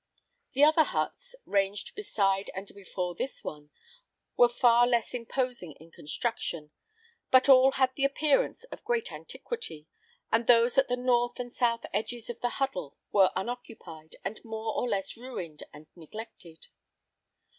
The other huts, ranged beside and before this one, were far less imposing in construction; but all had the appearance of great antiquity, and those at the north and south edges of the huddle were unoccupied and more or less ruined and neglected.